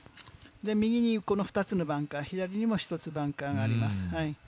右にこの２つのバンカー、左にも１つバンカーがあります。